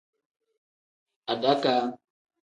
Adakaa.